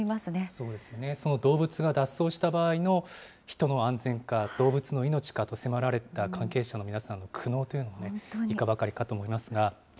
そうですね、その動物が脱走した場合の人の安全か、動物の命かと迫られた関係者の皆さん、苦悩というのはいかばかりかと思いますが。